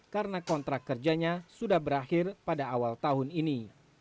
karena kontrak kerjanya sudah berakhir pada awal tahun ini